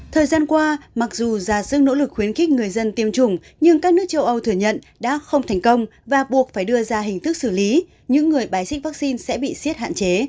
thời gian qua mặc dù già dương nỗ lực khuyến khích người dân tiêm chủng nhưng các nước châu âu thừa nhận đã không thành công và buộc phải đưa ra hình thức xử lý những người bái xích vaccine sẽ bị siết hạn chế